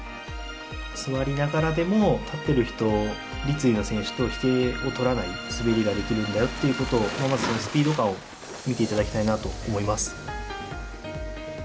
座りながらでも立っている人、立位の選手と引けを取らない滑りができるんだよっていうことをまず、そのスピード感を見ていただきたいなと思います。